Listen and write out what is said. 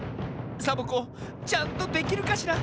サボ子ちゃんとできるかしら？